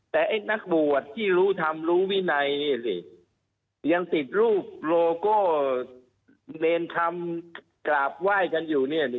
แต่ไอ้นักบวชที่รู้ทำรู้วินัยยังติดรูปโลโก้เนรธรรมกราบไหว้กันอยู่เนี่ย